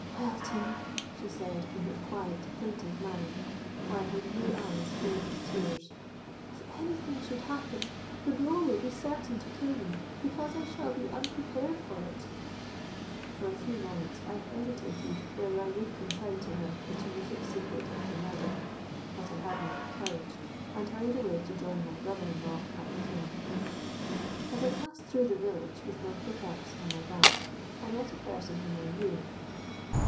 'Well, Tim,' she said in her quiet, plaintive manner, while her blue eyes filled with tears, 'if any thing should happen, the blow will be certain to kill me, because I shall be unprepared for it.'—For a few moments I hesitated whether I would confide to her the terrific secret of the murder; but I had not the courage, and hurried away to join my brother in law at the kiln. "As I passed through the village, with my pickaxe on my back, I met a person whom I knew.